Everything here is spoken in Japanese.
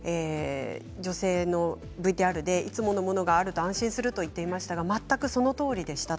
女性のＶＴＲでいつものものがあると安心するとおっしゃっていましたが全くそのとおりでした。